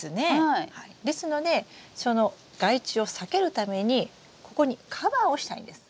ですのでその害虫を避けるためにここにカバーをしたいんです。